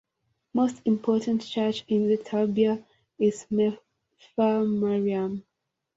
Most important church in the "tabia" is Melfa Maryam.